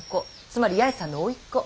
つまり八重さんの甥っ子。